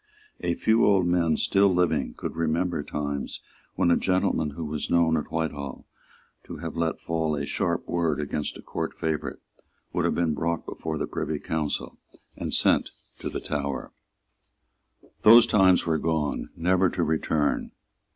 A few old men still living could remember times when a gentleman who was known at Whitehall to have let fall a sharp word against a court favourite would have been brought before the Privy Council and sent to the Tower. Those times were gone, never to return.